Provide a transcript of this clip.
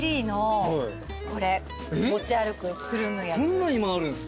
こんなん今あるんすか？